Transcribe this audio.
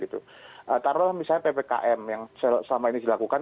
taruhlah misalnya ppkm yang selama ini dilakukan